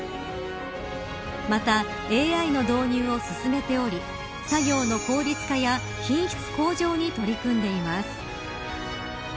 また、ＡＩの導入を進めており作業の効率化や品質向上に取り組んでいます。